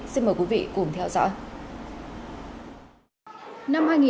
xin mời quý vị cùng theo dõi